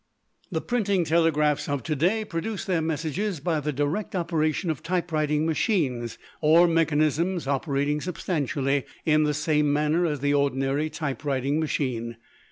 The printing telegraphs of to day produce their messages by the direct operation of typewriting machines or mechanisms operating substantially in the same manner as the ordinary typewriting machine.